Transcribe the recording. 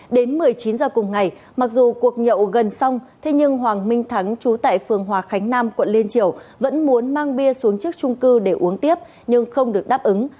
đến một mươi chín h cùng ngày mặc dù cuộc nhậu gần xong thế nhưng hoàng minh thắng chú tại phường hòa khánh nam quận liên triều vẫn muốn mang bia xuống trước trung cư để uống tiếp nhưng không được đáp ứng